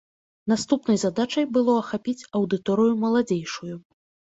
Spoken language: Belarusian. Наступнай задачай было ахапіць аўдыторыю маладзейшую.